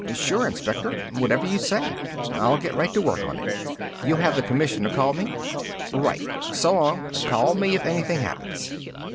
"Sure, Inspector. Whatever you say. I'll get right to work on it. You'll have the Commissioner call me?" "Right. So long. Call me if anything happens."